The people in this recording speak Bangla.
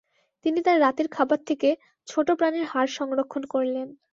তিনি তার রাতের খাবার থেকে ছোট প্রাণীর হাড় সংরক্ষণ করলেন।